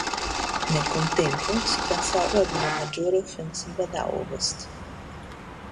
Nel contempo "si pensava ad una maggiore offensiva da ovest.